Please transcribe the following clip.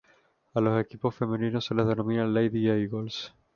A los equipos femeninos se les denomina "Lady Eagles".